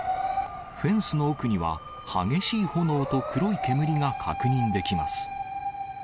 フェンスの奥には、激しい炎と黒い煙が確認できます。